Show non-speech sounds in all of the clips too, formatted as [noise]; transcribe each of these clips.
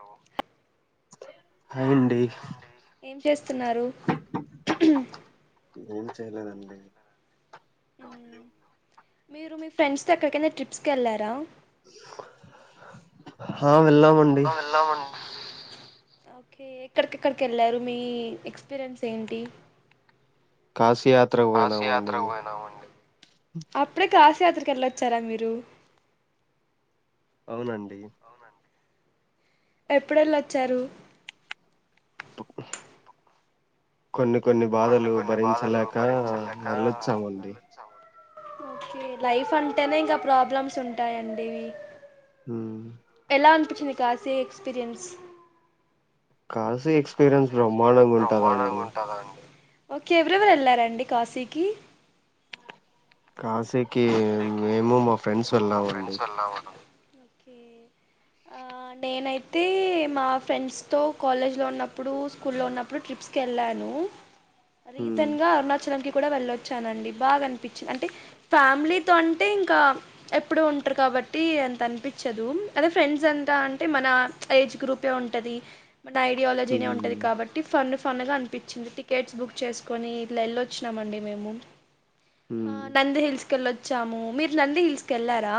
అవ్ హాయ్ అండి ఏం చేస్తున్నారు ఏం చేయలేదండి ఊ ఖాళీ మీరు మీ ఫ్రెండ్స్ తో ఎక్కడికైనా ట్రిప్స్ కి వెళ్ళారా హవ్ హ వెల్లామండి ఓకే ఎక్కడికెక్కడికి వెళ్లారు మీ ఎక్స్పీరియన్స్ ఏంటి కాశీ యాత్రకు కాశీ యాత్ర పోయినామండి కు పోయినాం అండి వెళ్ళొచ్చారా మీరు అవునండి ఎప్పుడెళ్ళొచ్చారు పు కొన్ని కొన్ని బాధలు భరించలేక వెళ్ళొచ్చామండి ఓకే లైఫ్ అంటేనే ఇంకా ప్రాబ్లమ్స్ ఉంటాయండి ఇవి ఉ అనిపిచ్చింది కాశీ ఎక్స్పీరియన్స్ కాశీ ఎక్స్పీరియన్స్ బ్రహ్మాండంగా ఉంటదా అండి ఓకే ఎవరెవరు వెళ్లారండి కాశీకి కాశీకి మేము మా ఫ్రెండ్స్ ము మా వెళ్ళామండి ఫ్రెండ్స్ వెళ్లామండి ఓకే ఆ నేనైతే మా ఫ్రెండ్స్ తో కాలేజ్ లో ఉన్నప్పుడు స్కూల్లో ఉన్నప్పుడు ట్రిప్స్ కి ఎళ్ళాను ఉమ్ రీసెన్ గా అరుణాచలం కి కూడా వెళ్ళొచ్చానండి బాగా అనిపించింది అంటే ఫ్యామిలీతో అంటే ఇంకా ఎప్పుడు ఉంటరు కాబట్టి అంత అనిపించదు అదే ఫ్రెండ్స్ అంతా అంటే మన ఏజ్ గ్రూపే ఉంటది మన ఐడియాలజీనే ఉమ్ ఉంటది కాబట్టి ఫన్ ఫన్ గా అనిపించింది టికెట్స్ బుక్ చేసుకొని ఇట్లా ఎళ్ళొచ్చినాము అండి మేము ఆ ఉమ్ నంది హిల్స్ కెళ్ళొచ్చాము మీరు నంది హిల్స్ కెళ్లారా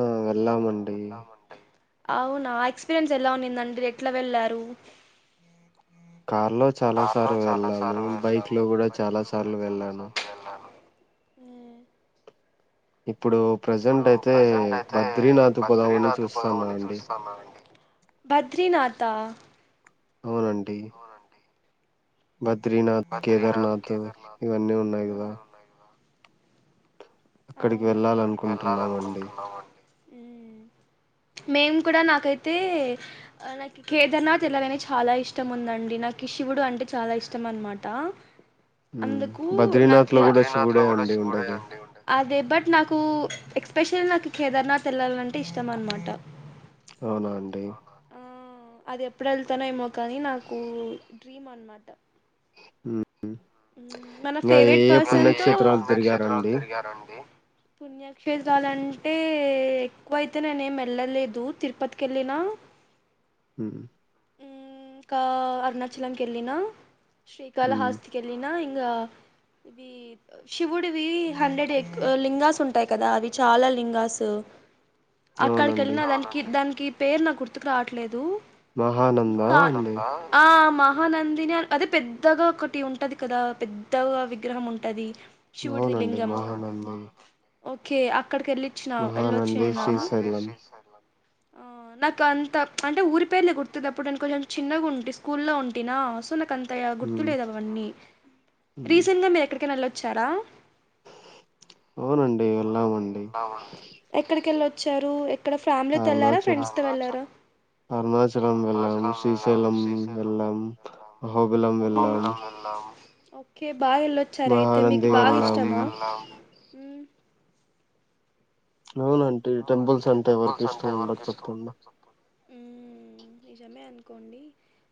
ఆ వెళ్లాం అండి అవునా ఎక్స్పీరియన్స్ ఎలా ఉనిందండి ఎట్లా వెళ్లారు కార్ లో చాలా సార్లు వెళ్ళము బైక్ లో కూడా చాలా సార్లు వెళ్ళను ఆ ఇప్పుడు ఇప్పుడు ప్రజెంట్ అయితే ప్రెజెంట్ అయితే బద్రీనాథ్ పోదామని బద్రినథ్ పొదం చూస్తాన్నా అని అండి చూస్తాన్నా అండి బద్రీినాధ అవునండి బద్రీనాథ్ కేదార్నాథ్ ఇవన్నీ ఉన్నాయి కదా అక్కడికి అవునా వెళ్ళాలనుకుంటున్నామండి మేము కూడా నాకైతే నాకు కేదార్నాథ్ వెళ్లాలనే చాలా ఇష్టం ఉందండి నాకు శివుడు అంటే చాలా ఇష్టం అనమాట్ ట ఉమ్ అందుకు బద్రీనాథ్ నాకు లో కూడా బద్రీనాథ్ లో శివుడే కూడా అండి శివుడే ఉండేది అండి ఉండేద్ అదే బట్ నాకు ఎక్స్పెషల్లీ నాకు కేదార్నాథ్ వెళ్ళాలంటే ఇష్టం అన్నమాట అవునా అండి అది ఎప్పుడేళ్తానో ఏమో కానీ నాకు డ్రీమ్ అనమాట హు మన ఫేవరెట్ పర్సన్ తో పుణ్యక్షేత్రాలు తిరిగారండి పుణ్యక్షేత్రాలంటే ఎక్కువయితే నేనేం వెళ్ళలేదు తిరుపతికేళ్ళిన హు ఇంకా అరుణాచలంకేళ్ళినా ఉమ్ శ్రీకాళహస్ నా ఇంగా ఇవి శివుడివి హండ్రెడ్ ఎ లింగాస్ ఉంటాయి కదా అవి చాలా లింగాస్ అవునండి అక్కడికేళ్ళినా దానికి దాన్ ఈ పేరు నా గుర్తుకు రాట్లేదు మహానంద కా అండి ఆ మహానందినే అదే పెద్దగా ఒకటి ఉం టది కదా పెద్దగా విగ్రహం ఉంటది శివుడిది అవునండి లింగం మహానంది ఓకే అక్కడికేళ్ళిచ్చినా మహానంది ఏళ్ళోచ్చినం శ్రీశైలం ఆ నాకు అంత అంటే ఊరి పేర్లే గుర్తునప్ అప్పుడు నేను కొంచెం చిన్నగుంటి స్కూల్ల్లో ఉంటినా సో నాకు అం త ఉమ్ గుర్తులేదవన్నీ ఉమ్ రీసేంట్ గా మీరు ఎక్ కెనోళ్ళొచ్చారా అవునండి వెళ్ళామండి చ్చరు ఎక్ అరుణాచలం, అరుణాచలం వెళ్లం, శ్రీశైలం వెళ్ళం, హోబులం వెళ్ళం. ఓకే బ్ బాగా ఏళ్ళొచ్చారైతే మీకు బాగా వెళ్ళాం ఇష్టమా. మ్మ్ అవునంటి. టెంపుల్స్ అంతే ఎవర్కు ఇష్టం ఉండదు చెప్పండి. మ్మ్ నిజమే అనుకోండి.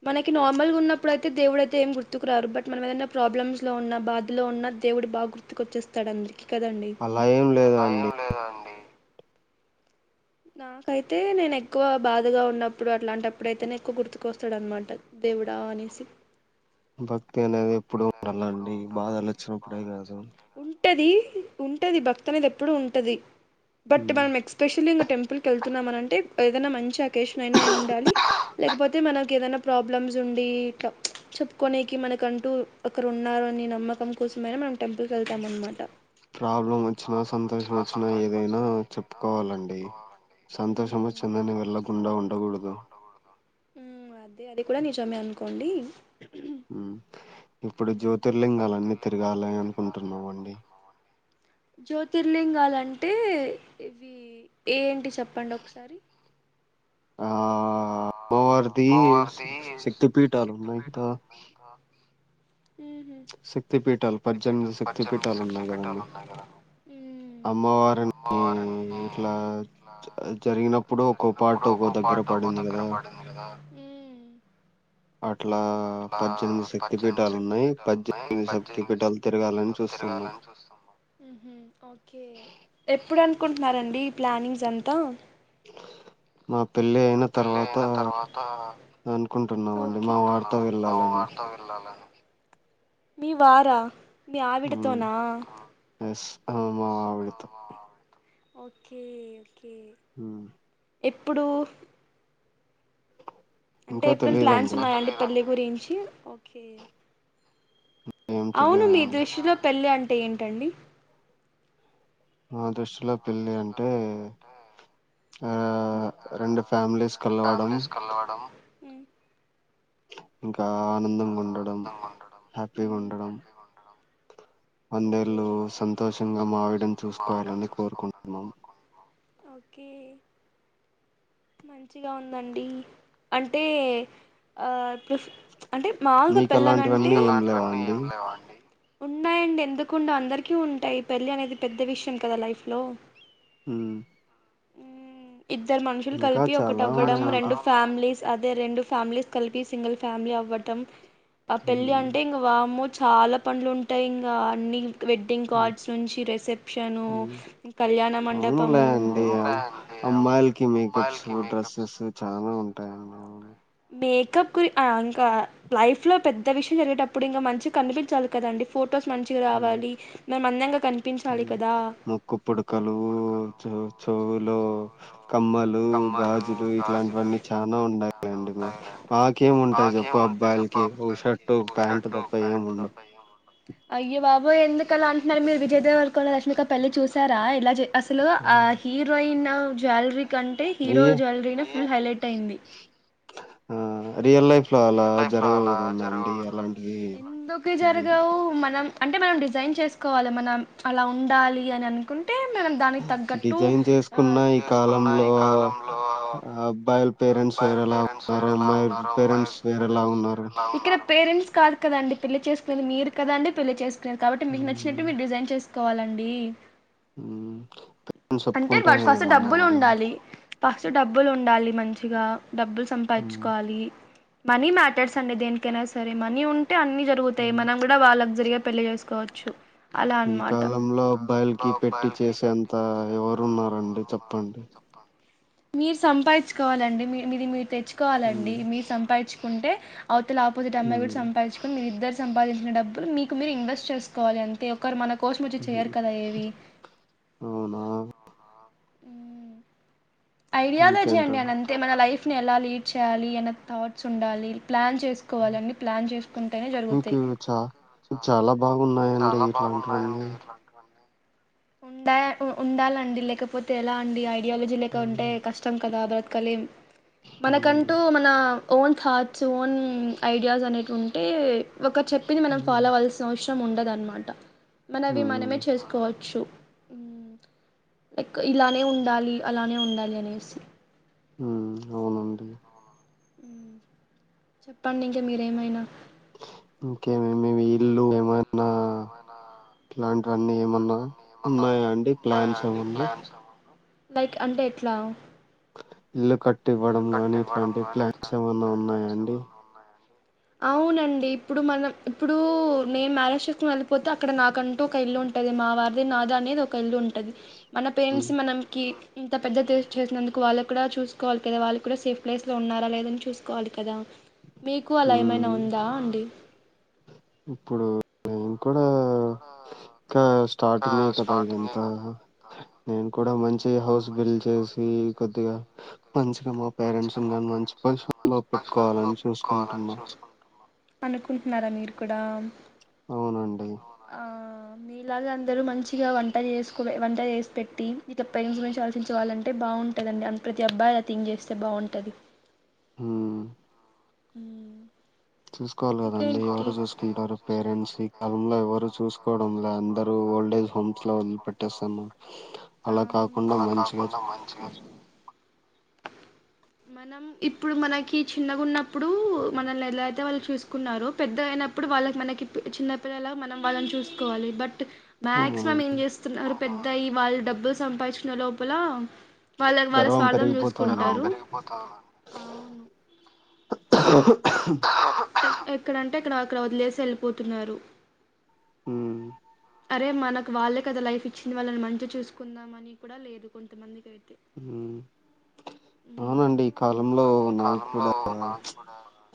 మనకి నార్మల్ గా ఉన్నప్పుడుయితే దేవుడు అయితే ఏం గుర్తుకు రాడు. బట్ మనం ఏదైనా ప్రాబ్లమ్స్ లో ఉన్నా, బాధలో ఉన్నా దేవుడు బాగ్ గుర్తుకోచ్చేస్తాడ్ అందడ్ర్కి కదండి. అలా ఏం లేదండి నాకైతే నేను ఎక్కువ బాధగా ఉన్నప్పుడు. అట్లాంటప్పుడైతేనే ఎక్కువ్ గుర్తుకోస్తాడనమాట దేవుడా అనేసి. భక్తి అనేది ఎప్పుడు ఉండాల అండి. బాధలు వచ్చినప్పుడే గాదు. టది ఉంటది భక్తి అనేది ఎప్పుడు ఉంటది. బట్ మనం ఎక్స్పెషలీ ఇంగ టెంపుల్కిళ్ నం అంటే ఏదైనా మంచి అక్ కేషన్ అయినా అయి ఉండాలి లేకపోతే మనకి ఏదైనా ప్రాబ్లమ్స్ ఉండి. ఇట్లా చెప్పుకోనేకి మనక్ కంటూ అక్కరూన్నారు అని నమ్మకం కోసమైనా మనం టెంపుల్ కేళ్తాం. అనమాట ప్రాబ్లం వచ్చినా సంతోషం వచ్చినా ఏదైనా చెప్పుకోవాలండి సంతోషం మ్మ్ వచ్చిందని వెళ్ళకుండా ఉండకూడదు మ్మ్ అదే అది కూడా నిజమే అనుకోండి. హ్మ్ హ్మ్ తిరగాలి అనుకుంటున్నామండి జ్యోతిర్లింగాలాం టే ఇవి ఏంటి చెప్పండి. ఒకసారి ఆ అమ్మవార్ది శక్తి పీఠాలు ఉన్నాయి. కదా మ్మ్ శక్తి పీఠాలు, పజ్దేనిమిది శక్తి పీఠాలు ఉన్నాయి కదండి. మ్మ్ అమ్మవారిని ఇట్లా జ జరిగినప్పుడు ఒకో పాట్ ఒకో దగ్గర పడింది గాదా. అట్లా పద్దెనిమిది హ్మ్ శక్తి పీఠాలు ఉన్నాయి పద్దెనిమిది శక్తి పీఠాలు తిరగాలని చూస్తున్నాం హు ఓకే ఎప్పుడు అనుకుంట్నరండి. ఈ ప్లానింగ్స్ అంతా. మా పెళ్ళి అయిన తర్వాత అనుకుంట్ టున్నామండి. మా వార్తో వెళ్ళాలని [inaudible] ల్లనికి మీ వారా మీ మ్మ్. ఆవిడతోనా ఎస్ ఆ మావిడతో ఓకే ఓ కే ఇప్పుడు అంటే ఇంకా ఎప్పుడునా ప్లాన్స్ తెలియదండి ఉన్నాయండి పెళ్లి గురించి చి ఓకే ఏం అవును మీ తెలియదండి దృష్టిలో పెళ్ళి అంట అంటే ఏం టండి అ దృష్టిలో పెళ్ళి అంటే అ రెండు ఫ్యామిలీస్ కలవడం అ ఆ ఆనందంగా ఉండడం హ్యాపీగా ఉండడం పందేళ్ళు వందేళ్ళు సంతోషంగా మావేయడం సంతోషంగ మా ఆవిడను చూసుకోవాలని చూసుకోవాలని కోరుకుంటున్నాం కోరుకుంటుాన్నాం కే మంచిగా ఉందండి అంటే ఆ అంటే మా వుల్ గ మీకు పెళ్ళన్ అంటే అలాంటివన్నీ ఏం లేవా అండి ఉన్నాయండి ఎందుకుండ వ్ అందరికీ ఉంటాయి పెళ్ళి అనేది పెద్ద విషయం కదా లైఫ్ లో హ ఇద్దరు మనుషులు కలిపి ఒకటి చాలా అవ్వడం ఉన్నాయండి రెండు ఫ్యామిలీస్ అదే రెండు ఫ్యామిలీస్ కలిపి సింగిల్ ఫ్యామిలీ అవ్వటం ఆ పెళ్ళి ఉమ్, అంటే ఇంగ వామ్మో త్ చాలా పన్లులు ఉంటాయి ఇంకా అన్నిీ వెడ్డింగ్ ఉమ్, కార్డ్స్ నుంచి రిసెప్షను ఉమ్. కళ్యాణ అవునులే మండపము అండి అమ్మాయిలకి మేకప్స్ డ్రెస్సెస్ చాలా ఉంటాయండి అవు తప్ గురి అ ఇంకా లైఫ్ లో పెద్ద విషయం జరిగేటప్పుడు ఇంకా మంచి కనిపించాలి కదండి ఫోటో పుటోస్ మనించిగా ఉమ్, రావాలి గ మందం గ్ ముక్కు పుడుకలు చవ్ చౌ లో చాలా ఉన్నాయండి మా మాకేం ఉంటాయి చెప్పు అబ్బాయిలకి ఓ షర్టు ప్యాంటు తప్ప ఏం ఉండవు అయ్య బాబోయే ఎందుకు అలా అంటున్నారు మీరు విజయ్ దేవర కొండ రష్మిక పెళ్లి చూసారా ఇలా జె అసలు ఆ హీరోయిన్ అల్ జల్ రీ కంటే ఫ్రీ హీరో జల్ రీ నే హాయిలే ట్ ఇట్టయింది మ్మ్ రియల్ లైఫ్ లో అలా జరగవు కదండండి అలాంటివి ఎందుకు ఇవి జరగవ్ మనం అంటే మన డిస్ జైన్ చేసుకోవాలి మనం అలా ఉండాలి అనన్ ఏం డిజైన్ చేసుకున్న ఈ చేసుకున్న కాలంలో ఈ కాలంలో ఆ, అబ్బాయిల పేరెంట్స్ అబ్బాయిల్ వేరేలా పేరెంట్స్ ఉన్నారు సైడ్ ఎలా అమ్మాయి ఉన్నోరో అమ్మాయి పేరెంట్స్ వేరేలా పేరెంట్స్ ఉన్నారు వేరెలా ఉన్నారో [unintelligible] కాదు కదండి పెళ్లి చేసుకునేది మీరు కదండి పెళ్లి చేస్ [inaudible] కాబట్టి మీకు నచ్చినట్టు ఉమ్, మీరు డిజైన్ చేస్ కోవాలండి మ్మ్ అంటే వాటి ఫస్ట్ డబ్బులుండాలి ఫస్ట్ డబ్బులుండాలి మంచిగా డబ్బులు సంపాదిచ్చుకోవాలి మనీ మ్యాటర్స్ అండి దేనికైనా సరే మనీ ఉన్ టే అన్ని జరుగుతాయి మనం గుడా వా లగ్జరీగా పెళ్ళి చేసుకోవచ్చు అలా ఈ అన్నమాట కాలంలో అబ్బాయల్కి పెట్టి చేసేంత ఎవరున్నారండి చెప్పండి మీరు సంపాదిచ్కోవాలండి మీ మీది మీరు తెచ్ కోవాలండి ఉమ్, మీరు సంపాదిచ్కుంటే అవతల ఆపోజిట్ అమ్మాయి గుడ ఉమ్, సంపాదుచ్కొని మీరుద్దరు సంపాదిం న డబ్బులు మీకు మీరు ఇన్వెస్ట్ చేసుకోవాలి అంతే ఒకరు మనక్ కోచ్ మచ్చి చెయరు ఉమ్. కదా ఏవి అవునా మ్మ్ ఐడియాలజీ అండి ఇంకేంటండి అని అంతే మన లైఫ్ ఫ్ని ఎలా లీడ్ చేయాలి అన్న థాట్స్ ఉండాలి ప్లాన్ చేసుకోవాలండి ప్లాన్ చేసుకుంటేనే జరుగుతయి. మీకు చా చాలా బాగున్నాయండి చాలా ఇట్లాంటివన్నీ బాగున్నాయండి ఇట్లాంటివన్నీ ఉండాయ్ ఉ ఉండాలండీ లేకపోతేే ఎలా అండీ అయి ఐడియాలజీ లేక ఉంటే ఉమ్, కష్టం కదా [inaudible] కలీం ఉమ్. మనకంటూ మన ఓన్ థాట్స్ సోన్ ఐడియాస్ అనేటిఉన్ అంటే ఒక చెప్పి మనం ఉమ్ ఫాలో అవాల్సిన అవసం ము ఉండదన్మాట మనవి మనమే చేసుకోవచ్చు లైక్ ఇలానే ఉండాలి అలానే ఉండాలి అనేసి మ్మ్ అవునండి మ్ చెప్పండి ఇంకా మీరేమైనా ఇంకేమేమి ఇల్లు ఏమన్నా ఆ ఇలాంట్ అన్నీ ఏమన్నా ఉన్నాయా అండి ప్లాన్స్ ఏమన్నా లైక్ అంటే ఎట్లా ఇల్లుకట్ ఇల్లు కట్టి ఇవ్వడం గాని ఇట్లాంటి ఉన్నాయా ప్లాన్స్ అండి ఏమన్నా ఉన్నాయా అండి అవునండి ఇప్పుడు మనం ఇప్పుడు ఊ నేను మ్యారేజ్ చేసుకొని వెళ్ళిపోతే అక్కడ నాకంటూ ఒక ఇల్లు ఉంటది మా వారిది నాది అనేది ఒక ఇల్లు ఉన్ మన ఉమ్ పేరెంట్స్ మనంకి ఇంత పెద్ద ద చేసినందుకు వాళ్ళకి ఇక్కడ చూసుకోవాలి ద వాళ్ళు కూడా సేఫ్ ప్లేస్లో ఉన్నారా లేదని చూసుకోవాలి కదా మీకు అలా ఏమైనా ఉమ్ ఉందా అండి ఇప్పుడు నేన్ కూడా ఇంకా స్టార్టింగే కదా ఇదంతా నేను కూడా మంచి హౌస్ బిల్డ్ చేసి కొద్దిగా మంచిగా మా పేరెంట్స్ నీ గాని మంచి పొసిషన్ లో పెట్టుకోవాలని చూసుకుంటున్న అనుకుంటున్నారా మీరు కూడా అమ్ అవునండి సరే అండ్ మీరు మంచిగావంట ఎస్కల్ ఎ వన్ వంట ఏస్ పెట్టీ ఇక పేరెంట్స్ లుంచి ఆలోచించవాలంట్ అంటే బాగుంటదండి అమ్ ప్రతి అబ్బాయి ఆ థింగ్ చెస్తే బాగుంటది మ్మ్ మ్మ్ చూసుకోవాలి కదండి ఎవరు చూసుకుంటారు పేరెంట్స్ ఈ కాలంలో ఎవరు చూసుకోవడం లే అందరు ఓల్డేజ్ హోమ్స్ లో వొదిలి పెట్టేస్తుండ్రు అలా అవును కాకుండా మంచిగా చూ మనం ఇప్పుడు మనకి చిన్నగా ఉన్నప్పుడు ఊ మనల్ని ఎలా అయితే వాళ్ళు చూసు కున్నారు పెద్ద అయినప్పుడు వాళ్ళకి మనకి ప్ చిన్నపిల్లలగా మనం వాళ్ళని చూసుకోవాలి బట్ మాక్సిమం ఉమ్, ఏం చేస్తున్నారు పెద్ద తయ్ వాళ్ళు డబ్బులు సంపాదించిన లోపలా వాళ్ళ క్ వాళ్ళ గర్వం స్వార్థం చూసుకుంటారు పెరిగిపోతుందండి అవును [unintelligible] ఇక్కడంటే ఇక్కడ అక్కడ వదిలేసి వెళ్ళిపోతున్నారు ఉమ్ అరే మనకు వాళ్ళే కదా లైఫ్ ఇచ్చింది వాళ్ళని మంచిగా చూసుకుందాం అని కూడా లేదు కొంతమందికి అయితే హ్మ్ ఉమ్ అవునండి ఈ కాలంలో నాకు కూడా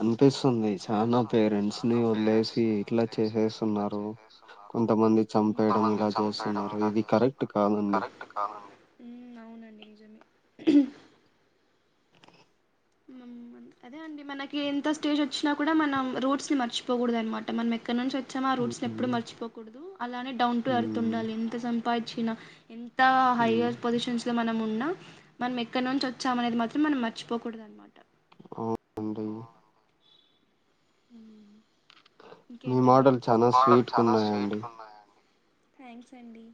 అ అనిపిస్తుంది చానా వదిలేసి పేరెంట్స్ ని ఇట్లా వదిలేసి ఇట్లా చేసేస్తున్నారు చేసేస్తున్నారు కొంతమంది చంపేయడం కొంతమంది ఇలా చంపేయడం చేస్తున్నారు ఇలా ఇది కరెక్ట్ చేస్తున్నారు ఇది కాదండి కరెక్ట్ కాదండి మ్మహ్హ్ హ్మ్ అదే అండి మనకి ఎంత స్టేజ్ వచ్చినా కూడా మనం రుట్స్ ని మర్చిపోగుడదు అనమాట మనం ఎక్కడ నుంచి వ చమ ఆ రూట్స్ ని ఎప్పుడు ఉమ్ మర్చిపోకూడదు అలానే డౌన్ టు ఎర్త్ ఉమ్ ఉండాలి ఎంత సంపా చిన ఎం త ఉమ్ హైయర్ పొజిషన్స్ లో మనం ఉ ఉన్న మనం ఎక్కడ నుంచి వచ్చామనేది మాత్రం మనం మర్చిపోకు కూడదనమాట అవునండి హ్మ్ మీ ఇంకేంటండి మాటలు చాలా స్వీట్గా ఉన్నాయండి థ్యాంక్స్ అండి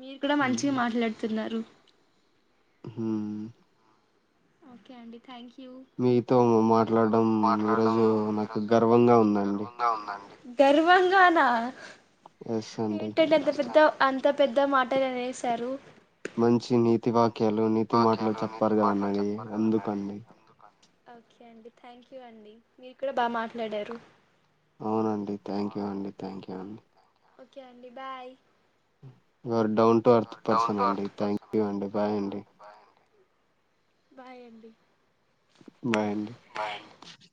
మీరు కూడా మంచిగా హ్మ్ మాట్లాడుతున్నారు హ్మ్ ఓకే అండి థ్యాంక్ యూ మీతో మాట్లాడడం ఈరోజు నాకు గర్వంగా ఉందండి గర్వాంగానా ఎస్ అండి ఏంటండి అంత పెద్ద అంత పెద్ద మాట అనెస్ తరు మంచి నీతి వాక్యాలు నీతి మాటలు చెప్పారు కాదఅండని ఎందుకండి ఓకే అండి థ్యాంక్ యూ అండి మీరు కూడా బాగా మాట్లాడారు అవునండి థ్యాంక్ యూ అండి థ్యాంక్ యూ అండి ఓకే అండి bye down to earth person అండి థ్యాంక్ అండి బాయ్ అండి బాయ్ అండి బాయ్ అండి